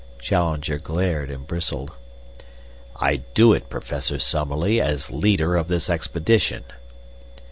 Challenger glared and bristled. "I do it, Professor Summerlee, as leader of this expedition."